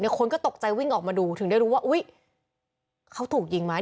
คนก็ตกใจวิ่งออกมาดูถึงได้รู้ว่าอุ๊ยเขาถูกยิงไหม